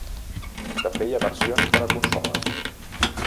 També hi ha versions per a consoles.